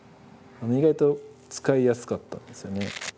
意外と使いやすかったんですよね。